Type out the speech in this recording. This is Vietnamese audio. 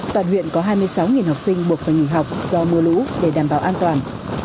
toàn huyện có hai mươi sáu học sinh buộc phải nghỉ học do mưa lũ để đảm bảo an toàn